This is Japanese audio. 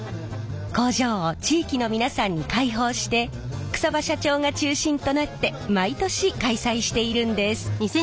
工場を地域の皆さんに開放して草場社長が中心となって毎年開催しているんです。